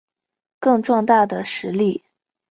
更壮大的实力